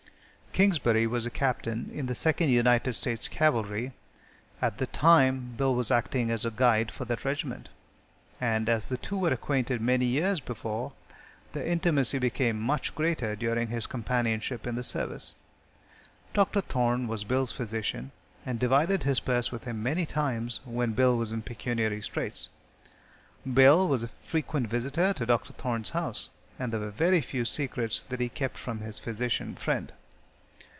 Kingsbury was a captain in the Second United States cavalry at the time Bill was acting as guide for that regiment, and, as the two were acquainted many years before, their intimacy became much greater during this companionship in the service. Dr. Thorne was Bill's physician, and divided his purse with him many times when Bill was in pecuniary straits. Bill was a frequent visitor to Dr. Thorne's house, and there were few secrets that he kept from his physician friend.